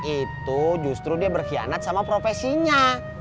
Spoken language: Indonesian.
itu justru dia berkhianat sama profesinya